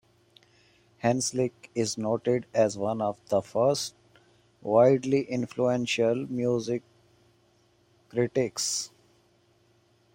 Hanslick is noted as one of the first widely influential music critics.